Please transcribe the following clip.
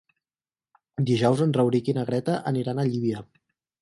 Dijous en Rauric i na Greta aniran a Llívia.